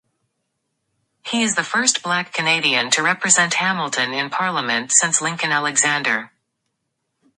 He is the first Black Canadian to represent Hamilton in parliament since Lincoln Alexander.